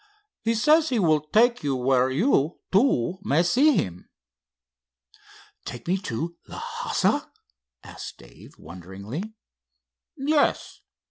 He says he will take you where you, too, may see him." "Take me into Lhassa?" asked Dave, wonderingly. "Yes.